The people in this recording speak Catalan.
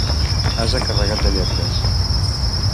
Ase carregat de lletres.